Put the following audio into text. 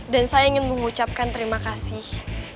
dan saya ingin mengucapkan terima kasih